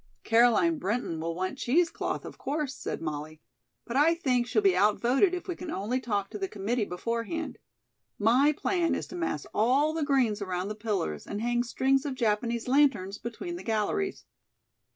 "Caroline Brinton will want cheese cloth, of course," said Molly, "but I think she'll be out voted if we can only talk to the committee beforehand. My plan is to mass all the greens around the pillars and hang strings of Japanese lanterns between the galleries."